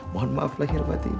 mohon maaflah khidmatimu